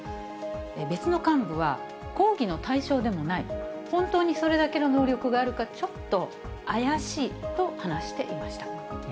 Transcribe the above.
別の幹部は、抗議の対象でもない、本当にそれだけの能力があるか、ちょっと怪しいと話していました。